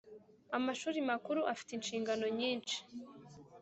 amashuri makuru afite inshingano nyinshi